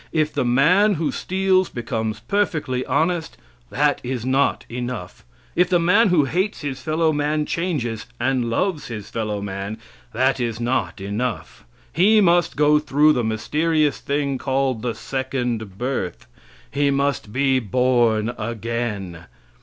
If the man who steals becomes perfectly honest, that is not enough; if the man who hates his fellow man changes and loves his fellowman, that is not enough; he must go through the mysterious thing called the second birth; he must be born again.